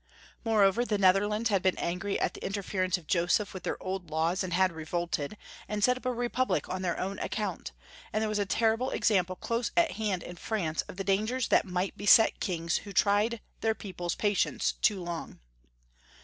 Moreover, the Netherlands had been angry at the interference of Joseph with their old laws, and had revolted, and set up a republic on their own account, and there was a terrible ex ample close at hand in France of the dangers that might beset kings who had tried their people's pa tience too long.